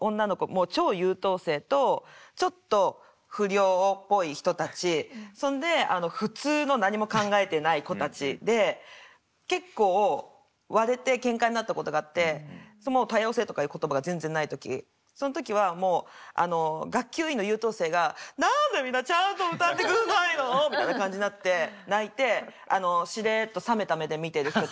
もう超優等生とちょっと不良っぽい人たちそんで普通の何も考えてない子たちで結構割れてケンカになったことがあって多様性とかいう言葉が全然ない時その時はもう学級委員の優等生が「何でみんなちゃんと歌ってくんないの！」みたいな感じになって泣いてしれっと冷めた目で見てる人たち